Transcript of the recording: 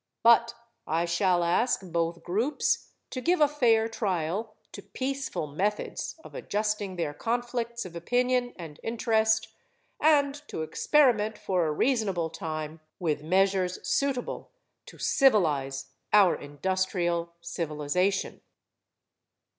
But I shall ask both groups to give a fair trial to peaceful methods of adjusting their conflicts of opinion and interest, and to experiment for a reasonable time with measures suitable to civilize our industrial civilization.